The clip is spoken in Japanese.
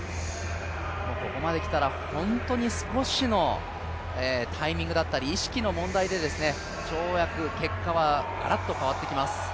ここまできたら本当に少しのタイミングだったり意識の問題で、跳躍、結果はガラッと変わってきます。